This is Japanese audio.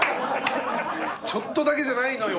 ちょっとだけじゃないのよ